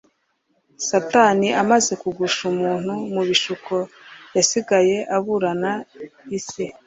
Satani, amaze kugusha umuntu mu bishuko, yasigaye aburana isi,